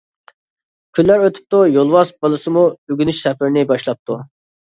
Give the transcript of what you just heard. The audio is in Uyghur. كۈنلەر ئۆتۈپتۇ، يولۋاس بالىسىمۇ ئۆگىنىش سەپىرىنى باشلاپتۇ.